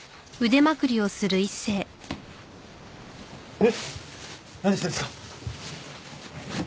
えっ何してるんですか？